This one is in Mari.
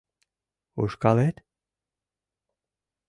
Ушкалет?